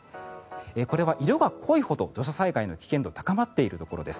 これは色が濃いほど土砂災害の危険度が高まっているところです。